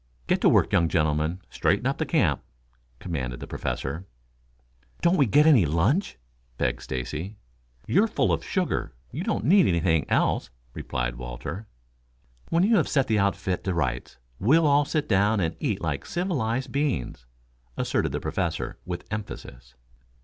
"Get to work, young gentlemen. Straighten up the camp," commanded the Professor. "Don't we get any lunch?" begged Stacy. "You're full of sugar. You don't need anything else," replied Walter. "When you have set the outfit to rights, we'll all sit down and eat like civilized beings," asserted the Professor, with emphasis.